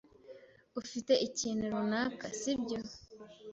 Ufite ikintu runaka, si byo?